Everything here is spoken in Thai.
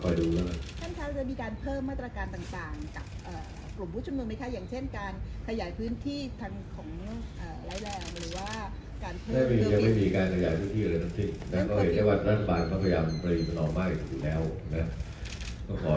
ท่านคะจะมีการเพิ่มมาตรการต่างหากรวมพุทธชุมนึงไหมคะ